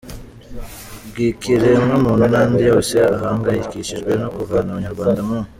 bw’ikiremwamuntu n’andi yose ahangayikishijwe no kuvana abanyarwanda mu